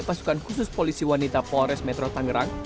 pasukan khusus polisi wanita polres metro tangerang